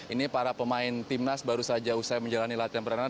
ini para pemain timnas baru saja usai menjalani latihan perdanaan